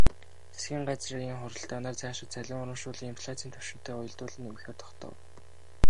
Засгийн газрын хуралдаанаар цаашид цалин урамшууллыг инфляцын түвшинтэй уялдуулан нэмэхээр тогтов.